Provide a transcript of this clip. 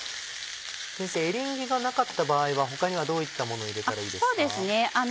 先生エリンギがなかった場合は他にはどういったものを入れたらいいですか？